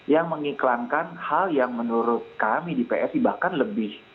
yang mengiklankan hal yang menurut kami di psi bahkan lebih